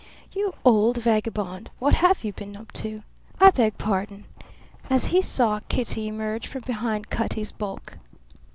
"You old vagabond, what have you been up to? I beg pardon!" as he saw Kitty emerge from behind Cutty's bulk.